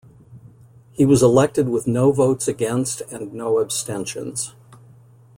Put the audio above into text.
He was elected with no votes against and no abstentions.